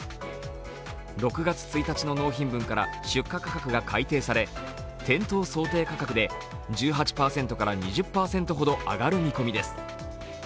６月１日の納品分から出荷価格が改定され、店頭想定価格で１８％から２０％ほど揚がる見込みです。